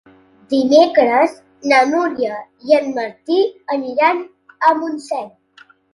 Dimecres na Núria i en Martí aniran a Montseny.